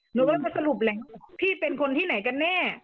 หนูก็เลยมาสรุปแหละพี่เป็นคนที่ไหนกันแน่